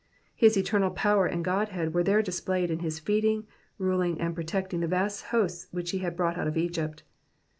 His eternal power and Godhead were there displayed in his feeding, ruling, and protecting the vast hosts which he had brought out of Egypt.